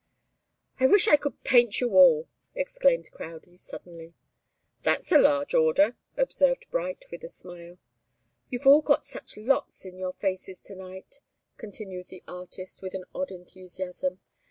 "I wish I could paint you all!" exclaimed Crowdie, suddenly. "That's a large order," observed Bright, with a smile. "You've all got such lots in your faces to night," continued the artist, with an odd enthusiasm.